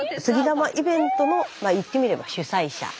杉玉イベントの言ってみれば主催者。